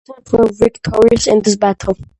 The Spartans were victorious in this battle.